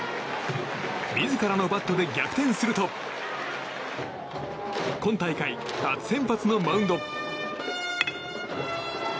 自らのバットで逆転すると今大会初先発のマウンド。